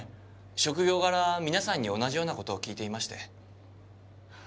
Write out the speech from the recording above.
職業柄皆さんに同じようなことを聞いていまして。